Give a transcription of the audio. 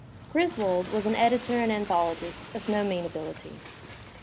Griswold was an editor and anthologist of no mean ability.